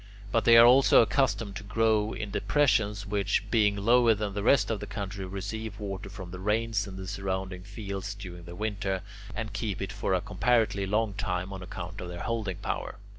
But they are also accustomed to grow in depressions which, being lower than the rest of the country, receive water from the rains and the surrounding fields during the winter, and keep it for a comparatively long time on account of their holding power.